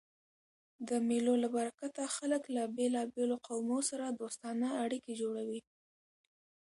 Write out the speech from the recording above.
د مېلو له برکته خلک له بېلابېلو قومو سره دوستانه اړیکي جوړوي.